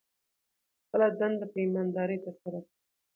خپله دنده په ایمانداري ترسره کړئ.